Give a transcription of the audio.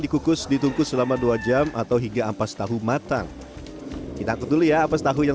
dikukus ditungkus selama dua jam atau hingga ampas tahu matang kita betul ya ampas tahu yang